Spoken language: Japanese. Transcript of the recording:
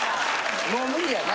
もう無理やな。